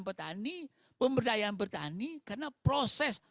petani pemberdayaan petani karena proses